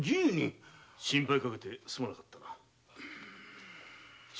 心配かけてすまなかった。